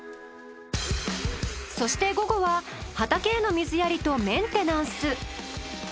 そして午後は畑への水やりとメンテナンス。